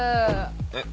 えっ。